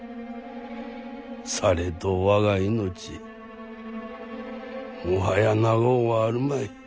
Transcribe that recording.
されど我が命もはや長うはあるまい。